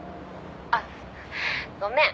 「あっごめん。